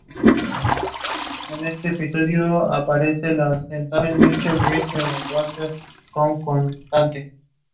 Durante años se han usado muchos nudos en escalada.